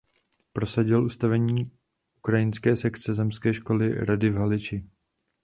Prosadil ustavení ukrajinské sekce zemské školní rady v Haliči.